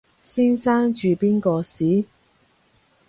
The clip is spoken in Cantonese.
先生住邊個巿？